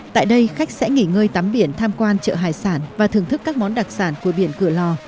tại đây khách sẽ nghỉ ngơi tắm biển tham quan chợ hải sản và thưởng thức các món đặc sản của biển cửa lò